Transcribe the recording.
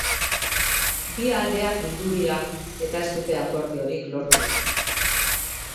Bi aldeak bildu dira, eta ez dute akordiorik lortu.